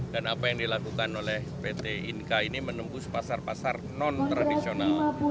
dan apa yang dilakukan oleh pt inka ini menembus pasar pasar non tradisional